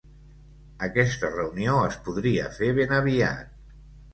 Aquesta reunió es podria fer ben aviat.